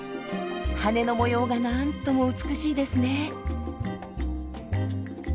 羽の模様が何とも美しいですね。